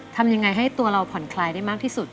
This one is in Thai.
ทำยังไงให้ตัวเราผ่อนคลายได้มากที่สุด